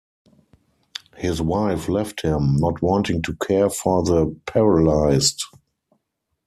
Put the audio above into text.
His wife left him, not wanting to care for the paralyzed.